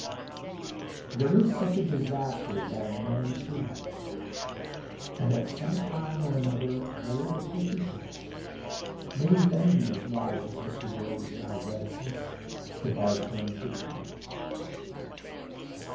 There is such a disaster as that of knowing too much, and at some time or another it may overtake each of us. May we then be as wise as Mr. Groves in our reticence, if our turn should come.